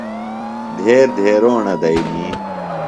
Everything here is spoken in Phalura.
دھیر دیھروݨہ دئنی۔